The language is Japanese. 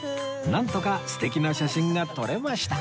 なんとか素敵な写真が撮れました